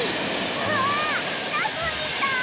うわナスみたい！